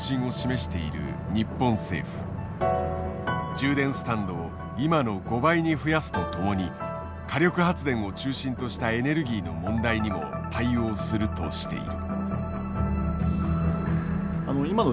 充電スタンドを今の５倍に増やすとともに火力発電を中心としたエネルギーの問題にも対応するとしている。